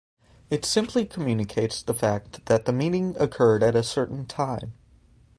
It simply communicates the fact that the meeting occurred at a certain time.